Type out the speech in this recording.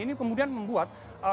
ini kemudian membuat